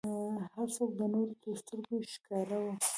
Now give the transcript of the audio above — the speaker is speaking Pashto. هر څوک د نورو تر سترګو ښکاره و.